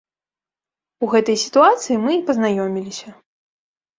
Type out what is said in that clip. У гэтай сітуацыі мы і пазнаёміліся.